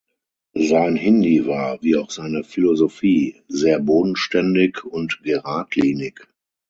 Sein Hindi war, wie auch seine Philosophie, sehr bodenständig und geradlinig.